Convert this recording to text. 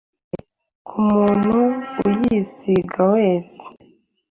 ku muntu uyisiga wese